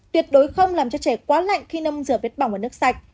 tuyệt đối không làm cho trẻ quá lạnh khi nâm rửa vết bỏng ở nước sạch